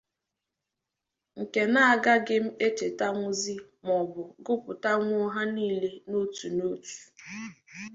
nke na agaghị m echetanwuzị maọbụ gụpụtanwuo ha niile n'ótù n'ótù.